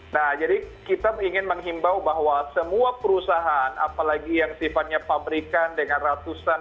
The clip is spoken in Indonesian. nah jadi kita ingin menghimbau bahwa semua perusahaan apalagi yang sifatnya pabrikan dengan ratusan